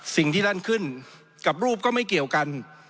สิ่งที่ท่านขึ้นกับรูปก็ไม่เกี่ยวกัน